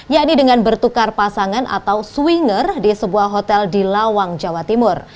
yakni dengan bertukar pasangan atau swinger di sebuah hotel di lawang jawa timur